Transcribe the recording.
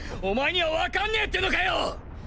お前にはわかんねぇってのかよ！！